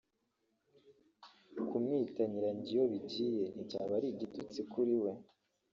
kumwita nyiranjya iyo bigiye nticyaba ari igitutsi kuri we